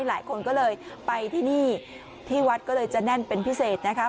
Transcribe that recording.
หลายคนก็เลยไปที่นี่ที่วัดก็เลยจะแน่นเป็นพิเศษนะคะ